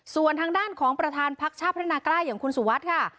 ส่วนทางด้านของประธานพักชาติพัฒนากล้าอย่างคุณสุวัสดิ์ค่ะ